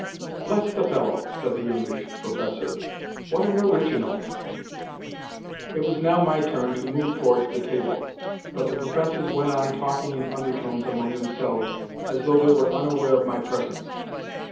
"Bless the fellow!" said the youngish professor. "What an original!" It was now my turn to move towards the table, but the professors went on talking in undertones among themselves, as though they were unaware of my presence.